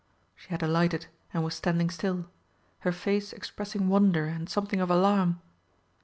She had alighted and was standing still, her face expressing wonder and something of alarm.